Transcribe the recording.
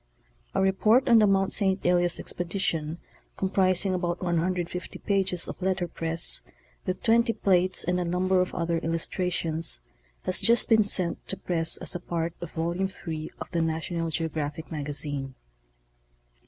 — A report on the Mt. St. Elias expedition, comprising about 150 pages of letter press with 20 plates and a number of other illus trations, has just been sent to press as a part of Volume III of the National Geographic Magazine.